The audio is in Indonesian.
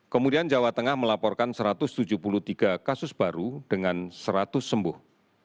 kemudian jawa tengah melaporkan satu ratus tujuh puluh tiga kasus baru dengan seratus sembuh